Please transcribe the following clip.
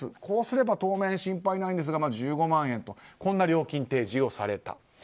こうすれば当面心配ないですが１５万円という料金提示をされた。